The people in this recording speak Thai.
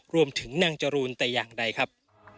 รวมถึงนางจรูนแต่อย่างใดครับ